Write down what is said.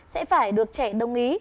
sẽ phải được trẻ đồng ý